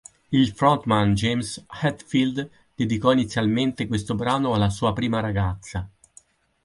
Il frontman James Hetfield dedicò inizialmente questo brano alla sua prima ragazza.